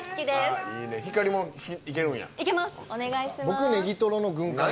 僕ネギトロの軍艦で。